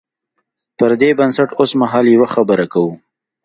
پر دې بنسټ اوسمهال یوه خبره کوو.